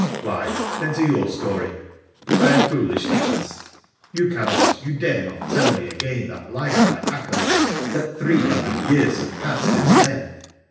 ' Why, then to your story. But I am foolish to ask. You cannot, you dare not, tell me again that lie of thy acolyte, that three hundred years have passed since then.